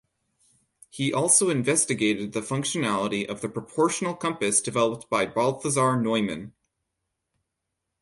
He also investigated the functionality of the proportional compass developed by Balthasar Neumann.